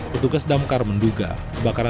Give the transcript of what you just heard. petugas damkar menduga